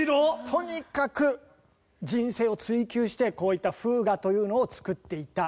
とにかく人生を追求してこういった『フーガ』というのを作っていた。